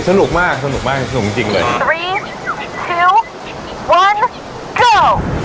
สนุกมากสนุกมากสนุกจริงเลย